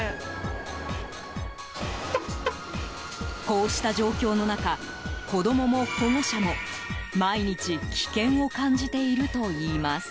こうした状況の中子供も保護者も毎日、危険を感じているといいます。